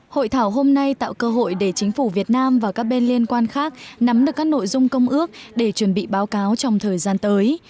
hội thảo hôm nay tạo cơ hội để chính phủ việt nam và các bên liên quan khác nắm được các nội dung công ước để chuẩn bị báo cáo trong thời gian tới